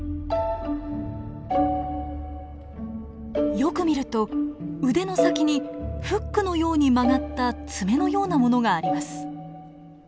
よく見ると腕の先にフックのように曲がった爪のようなものがあります。